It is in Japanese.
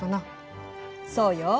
そうよ。